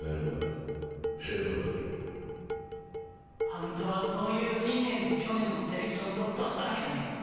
あんたはそういう信念で去年のセレクション突破したんやね。